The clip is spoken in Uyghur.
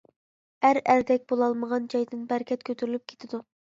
ئەر ئەردەك بولالمىغان جايدىن بەرىكەت كۆتۈرۈلۈپ كېتىدۇ.